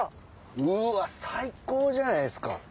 うわ最高じゃないですか。